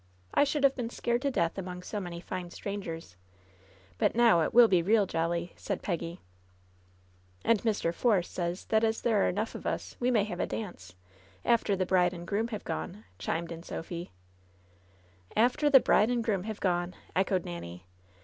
I should have been scared to death among so many fine strangers. But now it will be real jolly !" said Peggy. "And Mr. Force says that as there are enough of us we may have a dance, after the bride and groom have gone,'' chimed in Sophy. " ^After the bride and groom have gone !'" echoed Nanny.